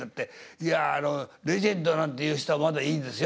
いやレジェンドなんて言う人はまだいいんですよ。